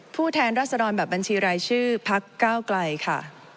แทนรัศดรแบบบัญชีรายชื่อพักเก้าไกลค่ะ